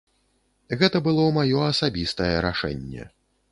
Гэта было маё асабістае рашэнне.